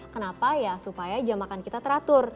kenapa ya supaya jam makan kita teratur